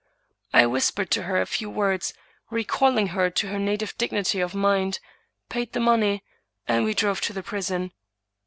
I whispered to her a few words, recalling her to her native dignity of mind, paid the money, and we drove to the prison.